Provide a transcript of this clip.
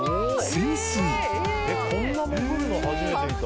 こんな潜るの初めて見た。